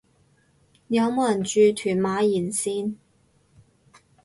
有冇人住屯馬沿線